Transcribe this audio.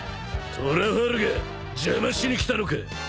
トラファルガー邪魔しに来たのか？